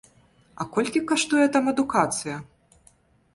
А колькі каштуе там адукацыя?